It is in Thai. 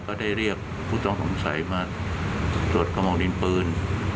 ก็ได้เรียกผู้ต้องสงสัยมาตรวจขม่าวดินปืน